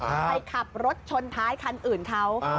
ไปขับรถชนท้ายคันอื่นเขา